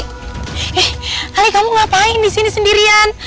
eh ali kamu ngapain di sini sendirian